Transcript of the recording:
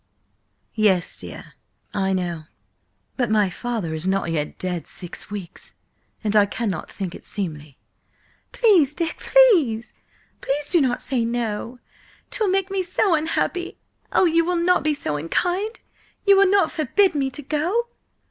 "Yes, dear, I know. But my father is not yet dead six weeks, and I cannot think it seemly–" "Please, Dick, please! Please do not say no! 'Twill make me so unhappy! Oh, you will not be so unkind? You will not forbid me to go?"